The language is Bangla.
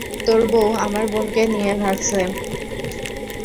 তোর বউ আমার বোনকে নিয়ে ভাগছে।